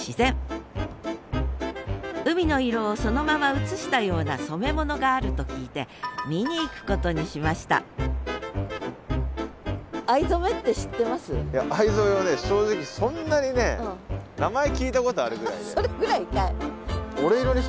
海の色をそのまま映したような染め物があると聞いて見に行くことにしました藍染めは正直そんなにね名前聞いたことあるぐらいで。